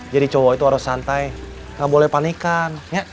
cowok itu harus santai gak boleh panikan